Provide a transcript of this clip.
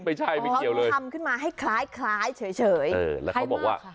ไม่ใช่ไม่เกี่ยวเลยทำขึ้นมาให้คล้ายคล้ายเฉยเออแล้วเขาบอกว่า